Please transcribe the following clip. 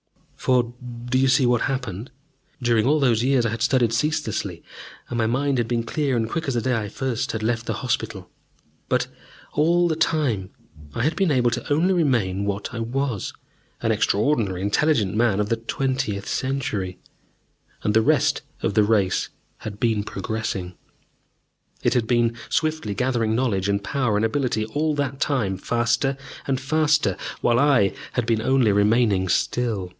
For do you see what happened? During all those years I had studied ceaselessly, and my mind had been clear and quick as the day I first had left the hospital. But all that time I had been able only to remain what I was an extraordinarily intelligent man of the twentieth century. And the rest of the race had been progressing! It had been swiftly gathering knowledge and power and ability all that time, faster and faster, while I had been only remaining still.